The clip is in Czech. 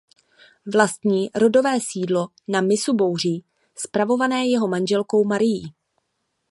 Vlastní rodové sídlo na "Mysu Bouří" spravované jeho manželkou Marií.